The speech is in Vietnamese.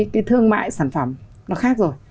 cái thương mại sản phẩm nó khác rồi